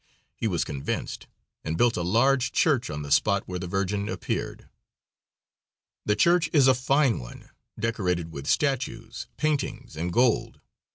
He was convinced, and built a large church on the spot where the Virgin appeared. The church is a fine one, decorated with statues, paintings and gold.